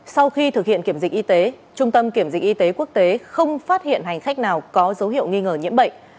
sau khi thực hiện kiểm dịch y tế trung tâm kiểm dịch y tế quốc tế không phát hiện hành khách nào có dấu hiệu nghi ngờ nhiễm bệnh